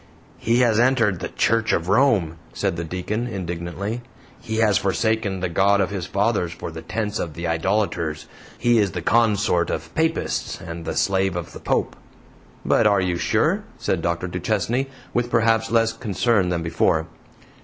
"He has entered the Church of Rome," said the Deacon, indignantly, "he has forsaken the God of his fathers for the tents of the idolaters; he is the consort of Papists and the slave of the Pope!" "But are you SURE?" said Dr. Duchesne, with perhaps less concern than before.